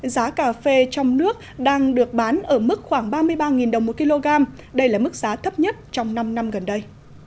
giá cà phê trong nước đang được bán ở mức khoảng ba mươi ba đồng một kg đây là mức giá thấp nhất trong năm năm gần đây